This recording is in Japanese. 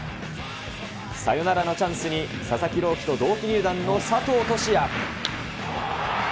サヨナラのチャンスに、佐々木朗希と同期入団の佐藤都志也。